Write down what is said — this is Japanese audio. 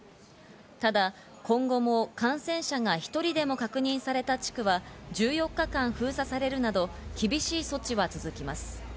ただ今後も、感染者が１人でも確認された地区は１４日間封鎖されるなど厳しい措置は続きます。